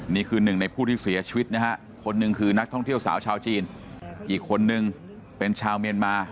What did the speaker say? นี่คือหนึ่งในผู้ที่เสียชีวิตนะฮะคนหนึ่งคือนักท่องเที่ยวสาวชาวจีนอีกคนนึงเป็นชาวเมียนมา